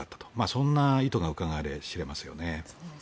そんな意図がうかがい知れますよね。